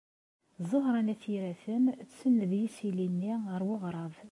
Ẓuhṛa n At Yiraten tsenned isili-nni ɣer weɣrab.